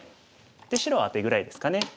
で白はアテぐらいですかね。